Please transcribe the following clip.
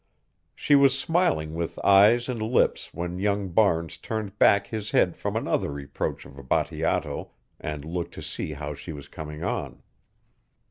She was smiling with eyes and lips when young Barnes turned back his head from another reproach of Bateato and looked to see how she was coming on.